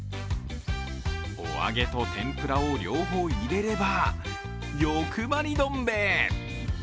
おあげと天ぷらを両方入れれば欲張りどん兵衛！